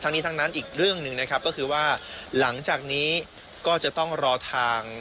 ทั้งนี้ทั้งนั้นอีกเรื่องหนึ่งนะครับก็คือว่าหลังจากนี้ก็จะต้องรอทาง